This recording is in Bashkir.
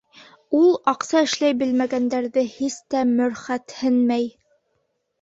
Ул аҡса эшләй белмәгәндәрҙе һис тә мөрхәтһенмәй.